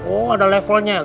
oh ada levelnya ya